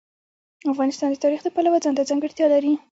افغانستان د تاریخ د پلوه ځانته ځانګړتیا لري.